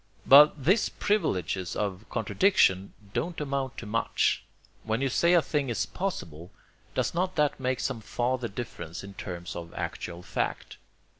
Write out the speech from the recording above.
But these privileges of contradiction don't amount to much. When you say a thing is possible, does not that make some farther difference in terms of actual fact?